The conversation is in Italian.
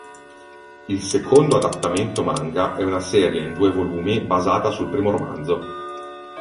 Il secondo adattamento manga è una serie in due volumi basata sul primo romanzo.